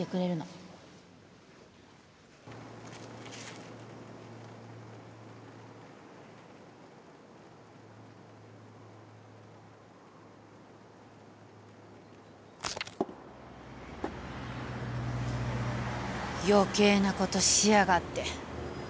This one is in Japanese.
余計なことしやがってあいつ。